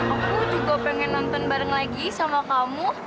aku juga pengen nonton bareng lagi sama kamu